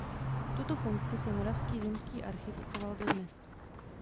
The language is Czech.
Tuto funkci si Moravský zemský archiv uchoval dodnes.